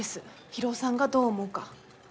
博夫さんがどう思うか。